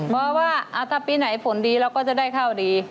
เพราะว่าถ้าปีไหนผลดีเราก็จะได้ข้าวดี